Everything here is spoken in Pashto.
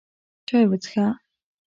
چای وڅښه!